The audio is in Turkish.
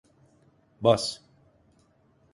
Bas!